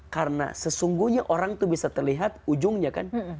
karena sesungguhnya orang itu bisa terlihat ujungnya kan